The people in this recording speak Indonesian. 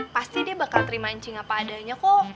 pasti dia bakal terima cing apa adanya kok